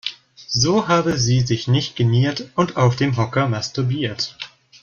So habe sie sich nicht geniert und auf dem Hocker masturbiert.